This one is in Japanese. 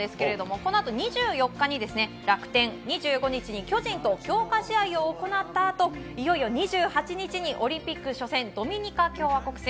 このあと２４日に楽天２５日に巨人と強化試合を行ったあと２８日にオリンピック初戦ドミニカ共和国戦。